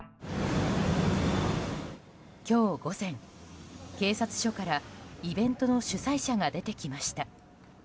今日午前、警察署からイベントの主催者が出てきました。